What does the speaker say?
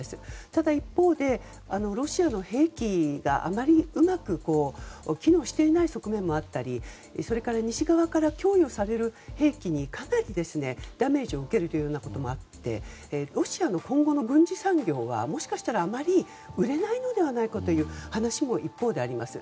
ただ、一方でロシアの兵器があまりうまく機能していない側面もあったりそれから西側から供与される兵器にかなりダメージを受けるというようなこともあってロシアの今後の軍需産業はあまり売れないのではないかという話も一方であります。